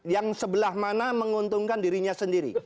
yang sebelah mana menguntungkan dirinya sendiri